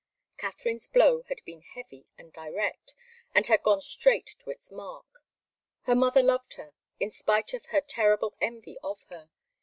Katharine's blow had been heavy and direct, and had gone straight to its mark. Her mother loved her in spite of her terrible envy of her.